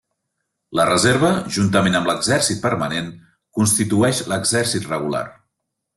La reserva, juntament amb l'exèrcit permanent, constitueix l'exèrcit regular.